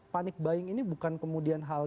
panik buying ini bukan kemudian hal